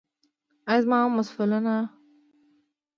ایا زما مفصلونه روغ دي؟